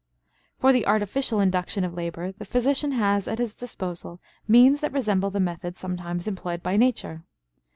For the artificial induction of labor, the physician has at his disposal means that resemble the method sometimes employed by nature.